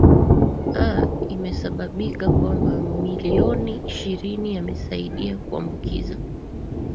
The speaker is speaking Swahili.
a imehesabika kwamba milioni ishirini yamesaidia kuambukiza